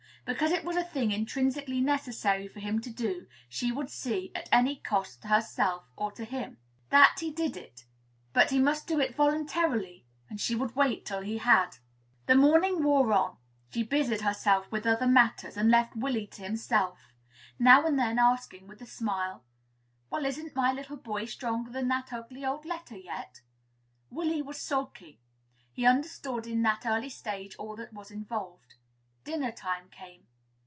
Because it was a thing intrinsically necessary for him to do, she would see, at any cost to herself or to him, that he did it; but he must do it voluntarily, and she would wait till he did. The morning wore on. She busied herself with other matters, and left Willy to himself; now and then asking, with a smile, "Well, isn't my little boy stronger than that ugly old letter yet?" Willy was sulky. He understood in that early stage all that was involved. Dinner time came.